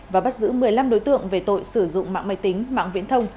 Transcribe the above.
và bắt giữ một mươi năm đối tượng về tội sử dụng mạng máy tính mạng viễn thông